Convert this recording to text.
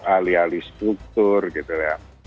alih alih struktur gitu ya